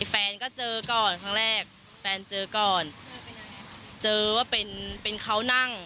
แฟนก็เจอก่อนครั้งแรกแฟนเจอก่อนเจอว่าเป็นเป็นเขานั่ง